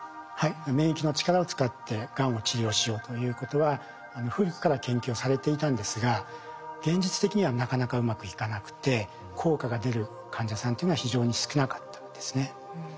免疫の力を使ってがんを治療しようということは古くから研究されていたんですが現実的にはなかなかうまくいかなくて効果が出る患者さんというのは非常に少なかったんですね。